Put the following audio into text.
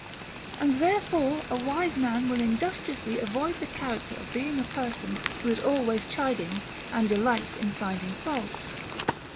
And there fore a wise man will industriously avoid the character of being a person who is always chiding and delights in find ing faults.